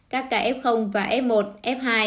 các kf và f một f hai